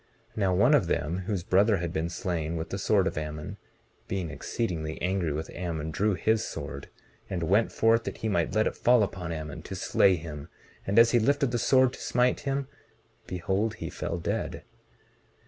19:22 Now, one of them, whose brother had been slain with the sword of Ammon, being exceedingly angry with Ammon, drew his sword and went forth that he might let it fall upon Ammon, to slay him; and as he lifted the sword to smite him, behold, he fell dead.